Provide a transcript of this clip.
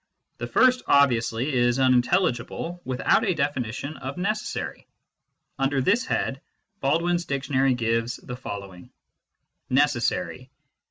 The first, obviously, is unintelligible without a definition of " necessary." Under this head, Baldwin s Dictionary gives the following :" NECESSARY.